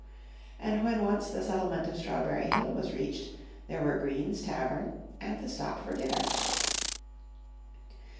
And when once the settlement of Strawberry Hill was reached, there were Green's Tavern and the stop for dinner!